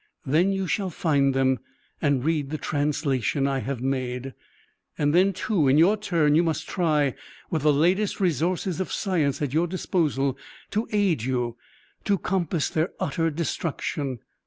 Then you shall find them and read the translation I have made. And then, too, in your turn, you must try, with the latest resources of science at your disposal to aid you, to compass their utter destruction."